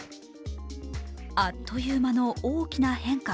あっという間の大きな変化。